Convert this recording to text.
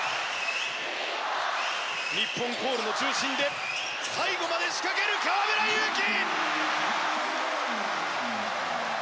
日本コールの中心で最後まで仕掛ける河村勇輝！